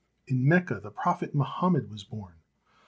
In Mecca the Prophet Mohammed was born.